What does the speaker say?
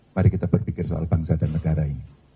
mari kita berpikir soal bangsa dan negara ini